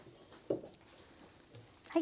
はい。